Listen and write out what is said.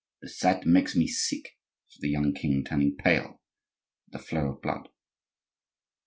"The sight makes me sick," said the young king, turning pale at the flow of blood.